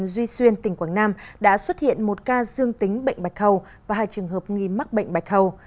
duy xuyên tỉnh quảng nam đã xuất hiện một ca dương tính bệnh bạch hầu và hai trường hợp nghi mắc bệnh bạch hầu